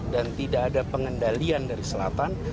dan tidak ada pengendalian dari selatan